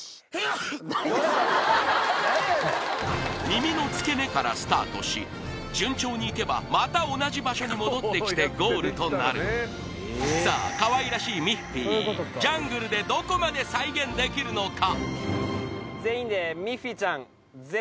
耳の付け根からスタートし順調に行けばまた同じ場所に戻ってきてゴールとなるさあかわいらしいミッフィージャングルでどこまで再現できるのか？